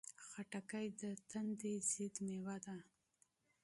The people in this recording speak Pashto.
خټکی د تندې ضد مېوه ده.